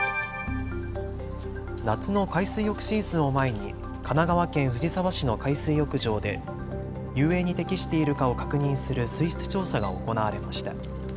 夏の海水浴シーズンを前に神奈川県藤沢市の海水浴場で遊泳に適しているかを確認する水質調査が行われました。